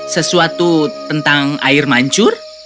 sesuatu tentang air mancur